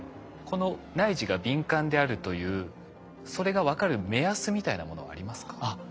この内耳が敏感であるというそれが分かる目安みたいなものはありますか？